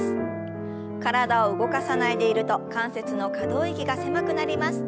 体を動かさないでいると関節の可動域が狭くなります。